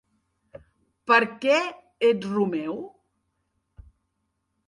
Per què ets Romeu?